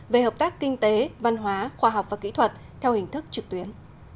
về hợp tác kinh tế văn hóa khoa học và kỹ thuật theo hình thức trực tuyến